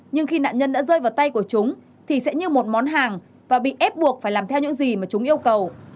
nhưng khi nạn nhân đã rơi vào tay của chúng thì sẽ như một món hàng và bị ép buộc phải làm theo những gì mà chúng yêu cầu